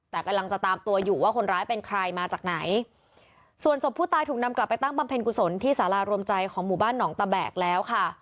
แต่กำลังจะตามตัวอยู่ว่าคนร้ายเป็นใครมาจากไหนส่วนศพผู้ตายถูกนำกลับไปตั้งบำเพ็ญกุศลที่สารารวมใจของหมู่บ้านหนองตะแบกแล้วค่ะ